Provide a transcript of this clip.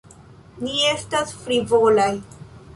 Ni estas frivolaj.